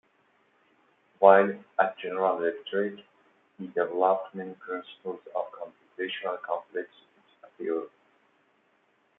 While at General Electric, he developed many principles of computational complexity theory.